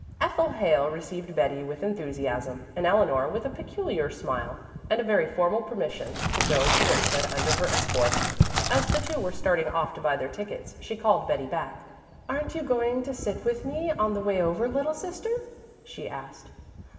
Ethel Hale received Betty with enthusiasm, and Eleanor with a peculiar smile and a very formal permission to go to Winsted under her escort. As the two were starting off to buy their tickets, she called Betty back. "Aren't you going to sit with me on the way over, little sister?" she asked.